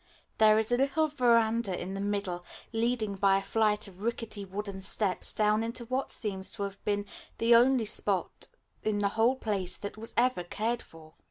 There is a little verandah in the middle, leading by a flight of rickety wooden steps down into what seems to have been the only spot in the whole place that was ever cared for.